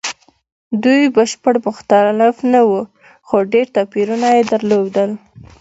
دوی بشپړ مختلف نه وو؛ خو ډېر توپیرونه یې درلودل.